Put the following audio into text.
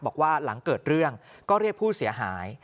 บอกว่าหลังเกิดเรื่องก็เรียกผู้เสียหาย